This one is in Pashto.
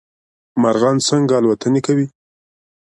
مارغان څنګه الوتنې کوی